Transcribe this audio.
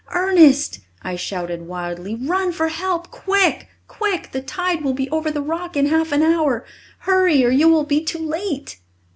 "Ernest," I shouted wildly, "run for help quick! quick! The tide will be over the rock in half an hour! Hurry, or you will be too late!"